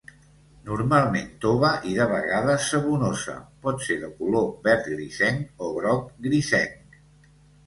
Normalment tova i de vegades sabonosa, pot ser de color verd grisenc o groc grisenc.